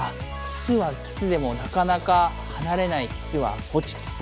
キスはキスでもなかなか離れないキスは「ホチキス」。